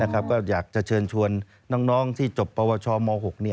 ก็อยากจะเชิญชวนน้องที่จบปวชม๖